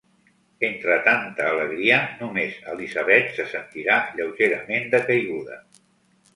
Entre tanta alegria, només Elizabeth se sentirà lleugerament decaiguda.